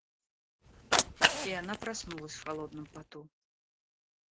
И она проснулась в холодном поту.